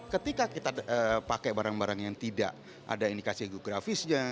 ketika kita pakai barang barang yang tidak ada indikasi geografisnya